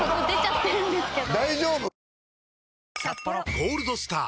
「ゴールドスター」！